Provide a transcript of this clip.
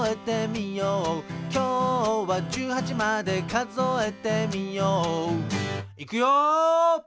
「きょうは１８までかぞえてみよう」いくよ！